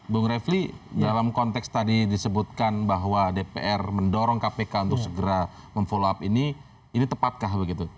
bung refli dalam konteks tadi disebutkan bahwa dpr mendorong kpk untuk segera memfollow up ini ini tepatkah begitu